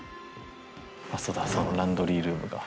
そうだそうだランドリールームだ。